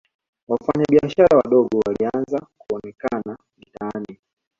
wafanya biashara wadogo walianza kuonekana mitaani